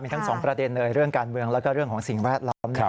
ทั้งสองประเด็นเลยเรื่องการเมืองแล้วก็เรื่องของสิ่งแวดล้อม